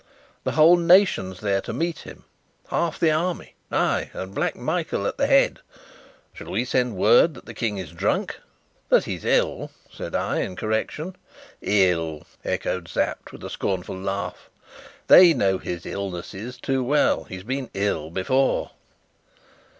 "The whole nation's there to meet him; half the army ay, and Black Michael at the head. Shall we send word that the King's drunk?" "That he's ill," said I, in correction. "Ill!" echoed Sapt, with a scornful laugh. "They know his illnesses too well. He's been 'ill' before!"